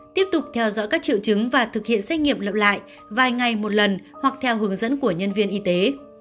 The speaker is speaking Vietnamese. tiếp tục theo dõi các triệu chứng và thực hiện xét nghiệm lặng lại vài ngày một lần hoặc theo hướng dẫn của nhân viên y tế